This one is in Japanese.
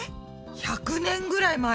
１００年ぐらい前？